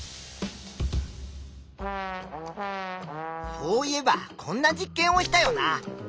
そういえばこんな実験をしたよな。